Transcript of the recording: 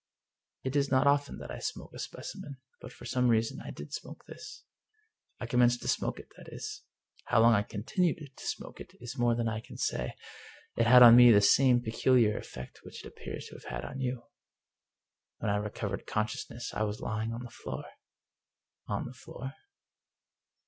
" It is not often that I smoke a specimen, butj for some reason, I did smoke this. I commenced to smoke it, that is. How long I continued to smoke it is more than I can say. It had on me the same peculiar effect which it appears to have had on you. When I recov ered consciousness I was lying on the floor." "On the floor?"